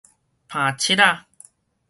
奅姼仔